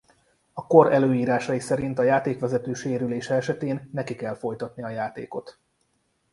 A kor előírásai szerint a játékvezető sérülése esetén neki kell folytatni a játékot.